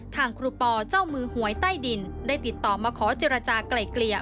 ครูปอเจ้ามือหวยใต้ดินได้ติดต่อมาขอเจรจากลายเกลี่ย